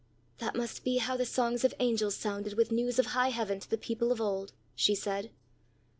"That must be how the songs of angels sounded, with news of high heaven, to the people of old!" she said.